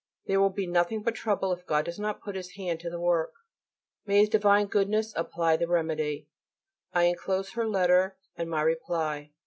There will be nothing but trouble if God does not put His hand to the work. May His divine Goodness apply the remedy. I enclose her letter, and my reply.